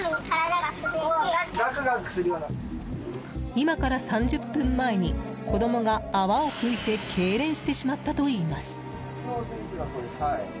今から３０分前に子供が泡を吹いてけいれんしてしまったといいます。